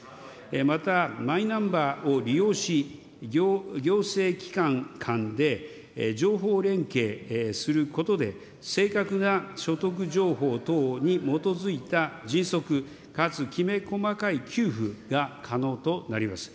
また、マイナンバーを利用し、行政機関間で情報連携することで、正確な所得情報等に基づいた迅速、かつきめ細かい給付が可能となります。